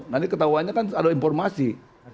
nanti ketahuannya kan ada informasi